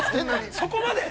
◆そこまで？